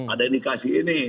ada indikasi ini